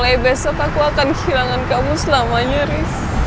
aku sudah tidak bisa lagi dengan perasaanmu